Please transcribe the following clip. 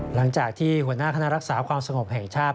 หลังจากที่หัวหน้าคณะรักษาความสงบแห่งชาติ